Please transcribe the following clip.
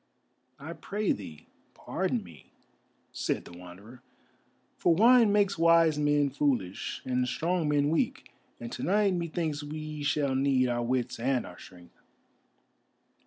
"I pray thee, pardon me," said the Wanderer, "for wine makes wise men foolish and strong men weak, and to night methinks we shall need our wits and our strength."